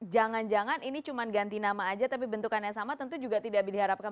jangan jangan ini cuma ganti nama aja tapi bentukannya sama tentu juga tidak diharapkan